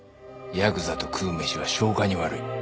ヤクザと食う飯は消化に悪い。